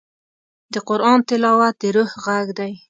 د قرآن تلاوت د روح غږ دی.